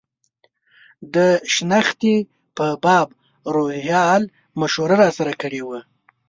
د شنختې په باب روهیال مشوره راسره کړې وه.